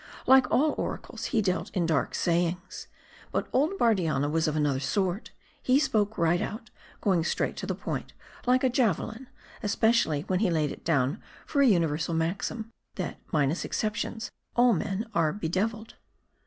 Like all oracles, he dealt in dark sayings. But old Bardianna was of another sort ; he spoke right out, going straight to the point like a javelin; especially when he laid it down for a universal maxim, that minus exceptions, all men are bedeviled."